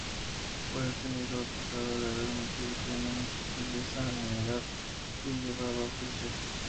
Fue detenido acusado de haber cometido crímenes de lesa humanidad y llevado a juicio.